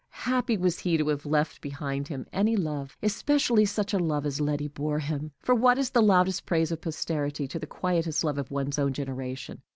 Happy was he to have left behind him any love, especially such a love as Letty bore him! For what is the loudest praise of posterity to the quietest love of one's own generation?